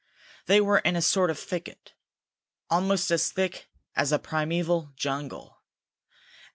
They were in a sort of thicket, almost as thick as a primeval jungle.